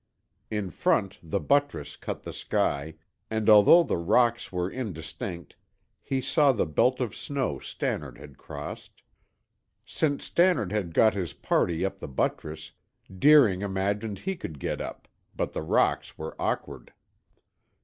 In front, the buttress cut the sky, and although the rocks were indistinct, he saw the belt of snow Stannard had crossed. Since Stannard had got his party up the buttress, Deering imagined he could get up; but the rocks were awkward.